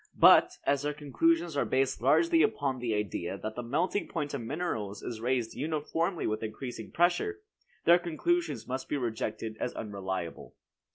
But, as their conclusions are based largely upon the idea that the melting point of minerals is raised uniformly with increasing pressure, their conclusions must be rejected as unreliable.